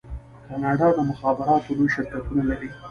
کاناډا د مخابراتو لوی شرکتونه لري.